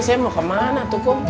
saya mau kemana tuh